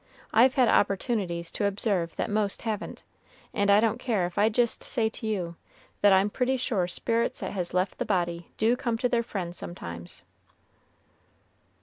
I've had opportunities to observe that most haven't, and I don't care if I jist say to you, that I'm pretty sure spirits that has left the body do come to their friends sometimes."